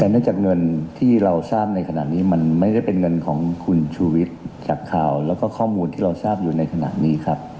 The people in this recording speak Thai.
แต่เนื่องจากเงินที่เราทราบในขณะนี้มันไม่ได้เป็นเงินของคุณชูวิทย์จากข่าวแล้วก็ข้อมูลที่เราทราบอยู่ในขณะนี้ครับ